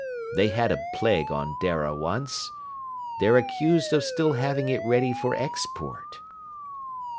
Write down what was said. They had a plague on Dara, once. They're accused of still having it ready for export."